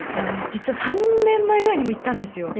実は３年前ぐらいにも行ったんですよ。